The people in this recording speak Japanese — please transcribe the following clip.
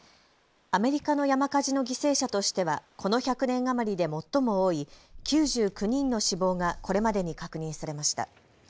アメリカの山火事の犠牲者としてはこの１００年余りで最も多い９９人の死亡がこれまでに確認されました。